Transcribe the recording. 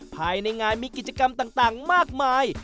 ภายในงานมีกิจกรรมต่างมากมาย